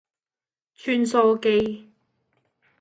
穿梭機